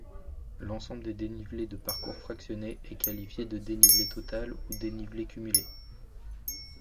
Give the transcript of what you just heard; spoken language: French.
L'ensemble des dénivelés de parcours fractionnés est qualifié de dénivelé total ou dénivelé cumulé.